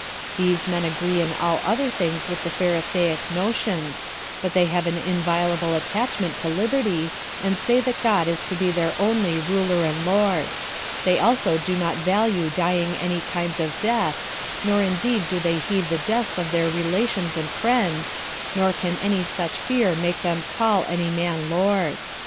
These men agree in all other things with the Pharisaic notions; but they have an inviolable attachment to liberty, and say that God is to be their only Ruler and Lord. They also do not value dying any kinds of death, nor indeed do they heed the deaths of their relations and friends, nor can any such fear make them call any man lord.